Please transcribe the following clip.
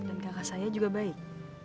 dan kakak saya juga baik